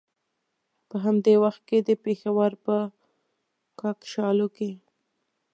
په همدې وخت کې د پېښور په کاکشالو کې.